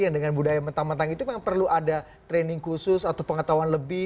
yang dengan budaya mentang mentang itu memang perlu ada training khusus atau pengetahuan lebih